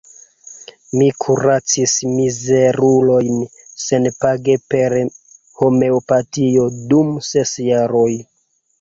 Mi kuracis mizerulojn senpage per homeopatio dum ses jaroj.